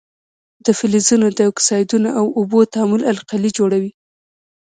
د فلزونو د اکسایدونو او اوبو تعامل القلي جوړوي.